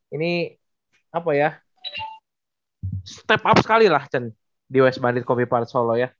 ini step up sekali lah di west bandit coffee parts solo ya